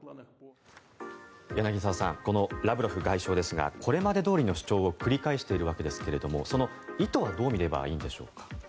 柳澤さんこのラブロフ外相ですがこれまでどおりの主張を繰り返しているわけですがその意図はどう見ればいいのでしょうか。